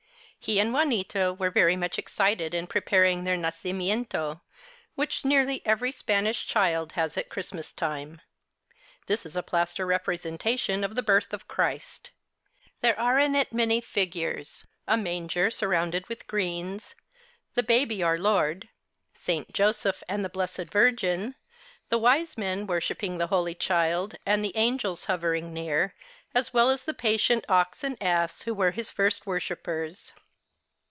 He and Juanita were very much excited in preparing their nacimiento^ which nearly every Spanish child has at Christ mas time. This is a plaster representation of the birth of Christ. There are in it many fig ures, a manger surrounded with greens, the Baby Our Lord, St. Joseph, and the Blessed Virgin, the Wise Men worshipping the Holy Child, and angels hovering near, as well as the patient ox and ass who were his first worship pers.